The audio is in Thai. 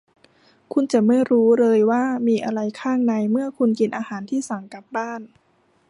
คุณจะไม่รู้เลยว่ามีอะไรข้างในเมื่อคุณกินอาหารที่สั่งกลับบ้าน